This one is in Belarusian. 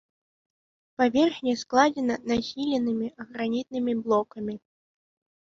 Паверхня складзена нахіленымі гранітнымі блокамі.